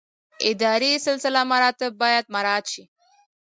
اداري سلسله مراتب باید مراعات شي